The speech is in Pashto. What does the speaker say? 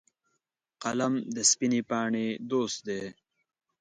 قلم د سپینې پاڼې دوست دی